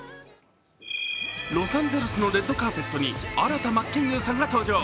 ロサンゼルスのレッドカーペットに新田真剣佑さんが登場。